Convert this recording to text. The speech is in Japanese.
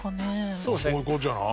そういう事じゃない？